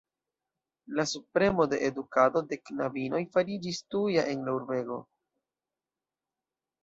La subpremo de edukado de knabinoj fariĝis tuja en la urbego.